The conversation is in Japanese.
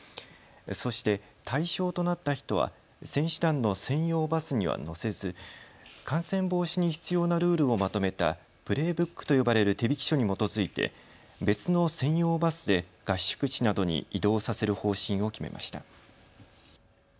そして対象となった人は選手団の専用バスには乗せず感染防止に必要なルールをまとめたプレーブックと呼ばれる手引書に基づいて別の専用バスで合宿地などに移動させる方針を決めました。